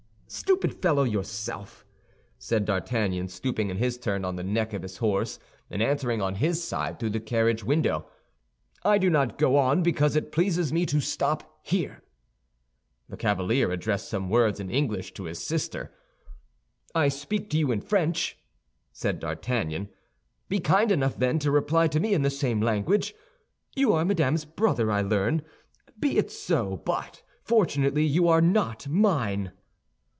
"Stupid fellow yourself!" said D'Artagnan, stooping in his turn on the neck of his horse, and answering on his side through the carriage window. "I do not go on because it pleases me to stop here." The cavalier addressed some words in English to his sister. "I speak to you in French," said D'Artagnan; "be kind enough, then, to reply to me in the same language. You are Madame's brother, I learn—be it so; but fortunately you are not mine."